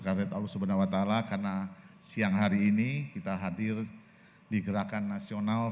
kepada tuhan karena siang hari ini kita hadir di gerakan nasional